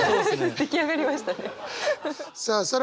出来上がりましたね。